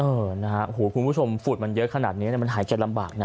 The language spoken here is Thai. เอ่อนะฮะหูคุณผู้ชมฟูดมันเยอะขนาดเนี้ยมันหายใจลำบากน่ะ